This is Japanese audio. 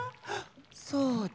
そうだ！